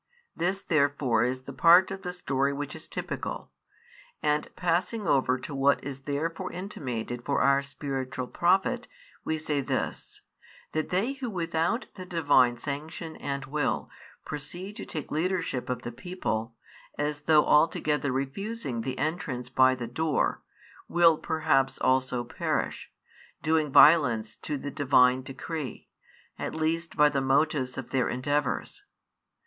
This therefore is the part of the story which is typical; and passing over to what is thereby intimated for our spiritual profit, we say this, that they who without the Divine sanction and will proceed to take the leadership of the people, as though altogether refusing the entrance by the Door, will perhaps also perish, doing violence to the Divine decree, at least by the motive of their endeavours.